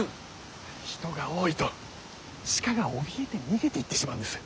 人が多いと鹿がおびえて逃げていってしまうんです。